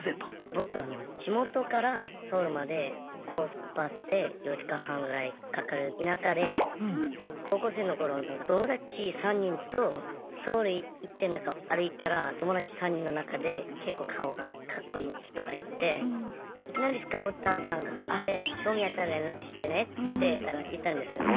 僕は地元からソウルまで高速バスで４時間半ぐらいかかる田舎で高校生の頃友達３人とソウル行ってなんか歩いたら友達３人の中で結構顔がかっこいい人がいていきなりスカウターさんが来て「興味あったら連絡してね」って言ったんですよ。